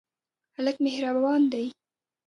هلک مهربان دی.